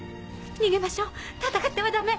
逃げましょう戦ってはダメ！